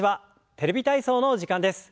「テレビ体操」の時間です。